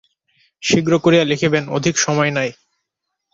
শীঘ্র করিয়া লিখিবেন অধিক সময় নাই।